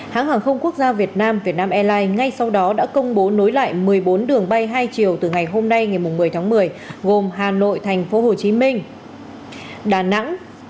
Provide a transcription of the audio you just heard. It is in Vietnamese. hãng hàng không quốc gia việt nam việt nam airlines ngay sau đó đã công bố nối lại một mươi bốn đường bay hai chiều từ ngày hôm nay ngày một mươi tháng một mươi gồm hà nội tp hcm đà nẵng